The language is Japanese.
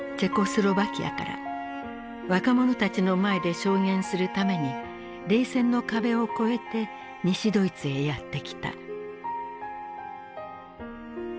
若者たちの前で証言するために冷戦の壁をこえて西ドイツへやって来た。